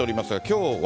きょうは。